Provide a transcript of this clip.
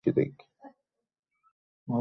এ পদে অদ্যাবধি তিনি দায়িত্ব পালন করছেন।